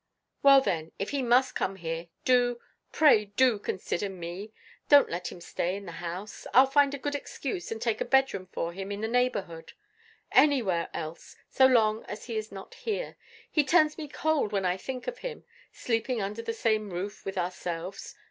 Well, then, if he must come here, do pray, pray do consider Me. Don't let him stay in the house! I'll find a good excuse, and take a bedroom for him in the neighbourhood. Anywhere else, so long as he is not here. He turns me cold when I think of him, sleeping under the same roof with ourselves.